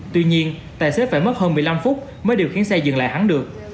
tuy nhiên tài xế phải mất hơn một mươi năm phút mới điều khiển xe dừng lại hắn được